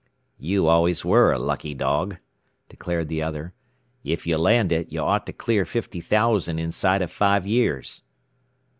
"You always were a lucky dog," declared the other. "If you land it you ought to clear fifty thousand inside of five years."